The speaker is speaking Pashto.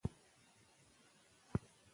په راتلونکي کې روبوټونه به کورونه هم پاکوي.